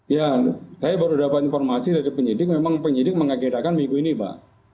ya saya baru dapat informasi dari penyidik memang penyidik mengagendakan minggu ini pak